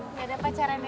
gak ada pacaran nenek